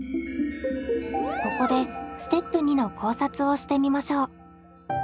ここでステップ２の考察をしてみましょう。